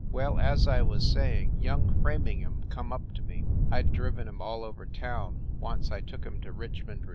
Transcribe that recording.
Well, as I was saying, young Framingham come up to me (I d driven him all over town once I took him to Richmond, Va.